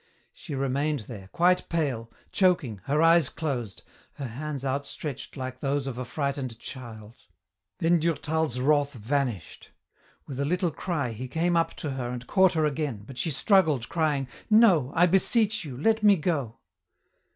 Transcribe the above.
She remained there, quite pale, choking, her eyes closed, her hands outstretched like those of a frightened child. Then Durtal's wrath vanished. With a little cry he came up to her and caught her again, but she struggled, crying, "No! I beseech you, let me go."